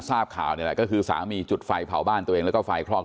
ทราบข่าวนี่แหละก็คือสามีจุดไฟเผาบ้านตัวเองแล้วก็ไฟคลอก